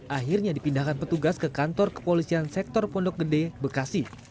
akhirnya dipindahkan petugas ke kantor kepolisian sektor pondok gede bekasi